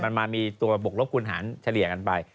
มันมามีตัวบกลบคุณหารเฉลี่ยกันไป